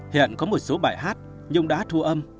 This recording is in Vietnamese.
hiện có một số bài hát nhưng đã thu âm